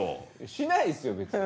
しないですよ別に。